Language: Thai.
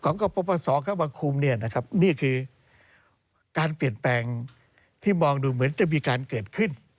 นี่คือการเปลี่ยนแปลงที่มองดูเหมือนจะมีการเกิดขึ้น